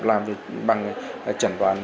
làm bằng chẩn toán